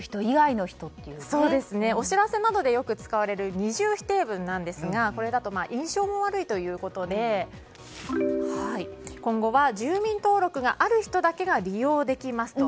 お知らせなどでよく使われる二重否定文なんですがこれだと印象も悪いということで今後は、住民登録がある人だけが利用できますと。